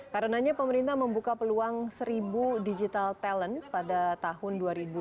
karena pemerintah membuka peluang seribu digital talent pada tahun dua ribu delapan belas